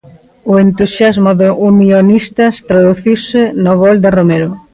O entusiasmo do Unionistas traduciuse no gol de Romero.